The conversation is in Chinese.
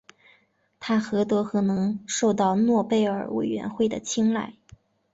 他何德何能受到诺贝尔委员会的青睐。